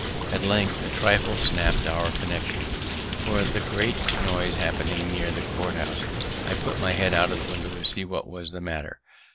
At length a trifle snapt our connections; for, a great noise happening near the court house, I put my head out of the window to see what was the matter.